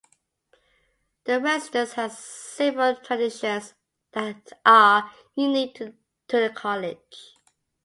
The residence has several traditions that are unique to the college.